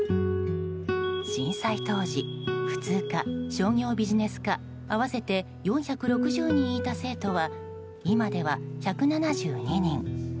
震災当時普通科、商業ビジネス科合わせて４６０人いた生徒は今では１７２人。